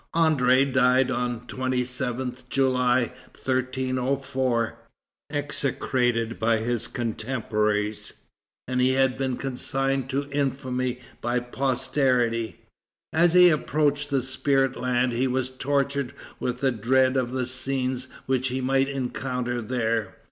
André died on the 27th July, 1304, execrated by his contemporaries, and he has been consigned to infamy by posterity. As he approached the spirit land he was tortured with the dread of the scenes which he might encounter there.